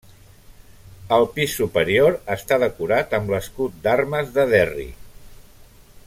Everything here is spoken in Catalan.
El pis superior està decorat amb l'escut d'armes de Derry.